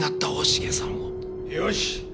よし！